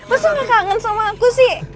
masa gak kangen sama aku sih